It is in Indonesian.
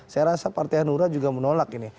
saya rasa partai hanura juga menolak ini